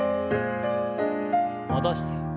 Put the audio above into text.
戻して。